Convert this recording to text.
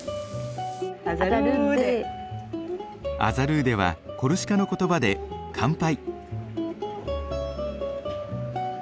アザルーデはコルシカの言葉で乾杯。